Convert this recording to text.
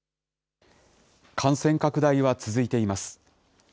感染拡大は続いています。